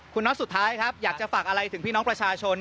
คุณน็อตสุดท้ายครับอยากจะฝากอะไรถึงพี่น้องประชาชน